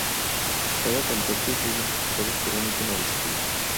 Cada contacto está identificado por un icono de escudo.